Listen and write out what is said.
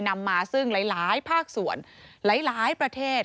นำมาซึ่งหลายภาคส่วนหลายประเทศ